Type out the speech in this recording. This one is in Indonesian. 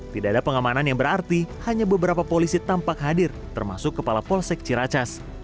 tidak ada pengamanan yang berarti hanya beberapa polisi tampak hadir termasuk kepala polsek ciracas